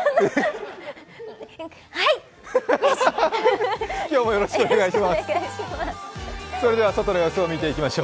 よろしくお願いします。